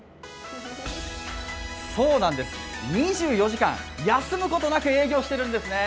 ２４時間休むことなく営業してるんですね。